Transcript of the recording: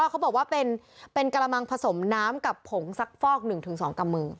เขาบอกว่าเป็นกระมังผสมน้ำกับผงสักฟอก๑๒กำมือ